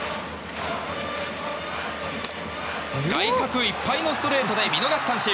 外角いっぱいのストレートで見逃し三振。